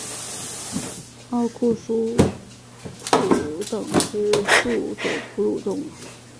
奥库鼠属等之数种哺乳动物。